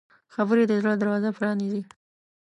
خبرې د زړه دروازه پرانیزي